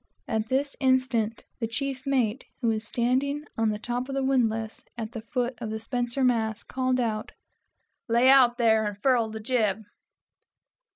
At this instant the chief mate, who was standing on the top of the windlass, at the foot of the spenser mast, called out, "Lay out there and furl the jib!"